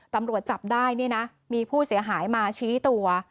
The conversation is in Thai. ตำรวจจับได้เนี่ยนะมีผู้เสียหายมาชี้ตัว